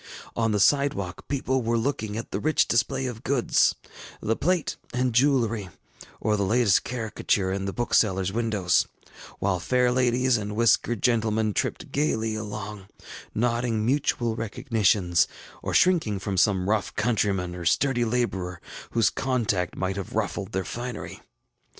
On the sidewalk people were looking at the rich display of goods, the plate and jewelry, or the latest caricature ill the booksellerŌĆÖs windows; while fair ladies and whiskered gentlemen tripped gayly along, nodding mutual recognitions, or shrinking from some rough countryman or sturdy laborer whose contact might have ruffled their finery.